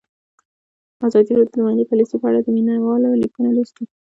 ازادي راډیو د مالي پالیسي په اړه د مینه والو لیکونه لوستي.